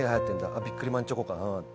「あっビックリマンチョコか」。